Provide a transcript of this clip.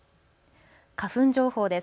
花粉情報です。